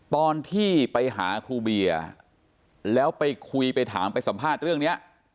ตอนที่ไปหาครูเบียร์แล้วไปคุยไปถามไปสัมภาษณ์เรื่องนี้